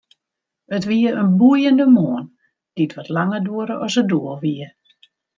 It wie in boeiende moarn, dy't wat langer duorre as it doel wie.